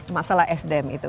masalah sdm itu